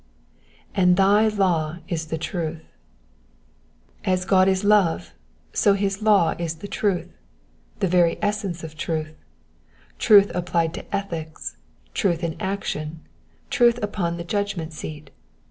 '^^And thy law is th6 truth,'''' As God is love, so his law is the truth, the very essence of truth, truth applied to ethics, truth in action, truth upon the judgment seat.